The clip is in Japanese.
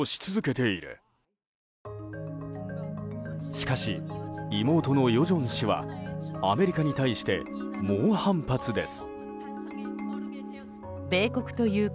しかし、妹の与正氏はアメリカに対して猛反発です。